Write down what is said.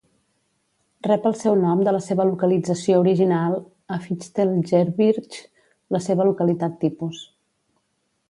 Rep el seu nom de la seva localització original a Fichtelgebirge, la seva localitat tipus.